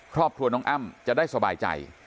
ครอบครัวน้องอ้ำจะได้สบายใจ